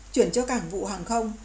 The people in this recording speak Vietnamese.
chuyển cho cảng vụ hàng không